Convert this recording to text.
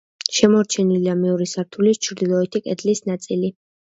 შემორჩენილია მეორე სართულის ჩრდილოეთი კედლის ნაწილი.